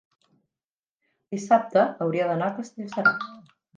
dissabte hauria d'anar a Castellserà.